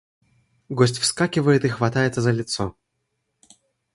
Гость вскакивает и хватается за лицо.